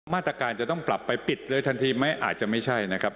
มาตรการจะต้องปรับไปปิดเลยทันทีไหมอาจจะไม่ใช่นะครับ